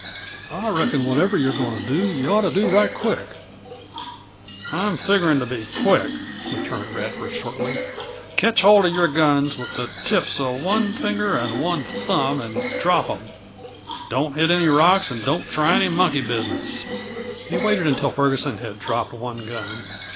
I reckon whatever you're goin' to do you ought to do right quick." "I'm figuring to be quick," returned Radford shortly. "Ketch hold of your guns with the tips of one finger and one thumb and drop them. Don't hit any rocks and don't try any monkey business." He waited until Ferguson had dropped one gun.